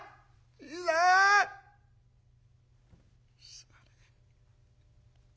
すまねえ」。